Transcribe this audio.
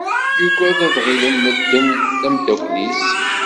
Yuggad ad ɣilen medden d ameddakel-is.